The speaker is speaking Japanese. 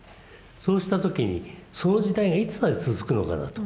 そうした時にその時代がいつまで続くのかなと。